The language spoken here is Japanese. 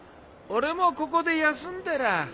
俺もここで休んでらあ。